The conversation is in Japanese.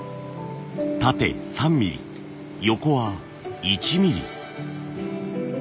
縦３ミリ横は１ミリ。